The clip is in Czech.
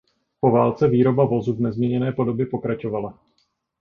Po válce výroba vozu v nezměněné podobě pokračovala.